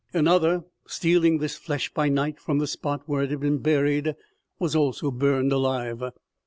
Another, stealing this flesh by night from the spot where it had been buried, was also burned alive."